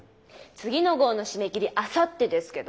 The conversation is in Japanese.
次の号の締め切りあさってですけど。